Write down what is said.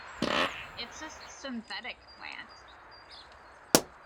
It’s a synthetic plant.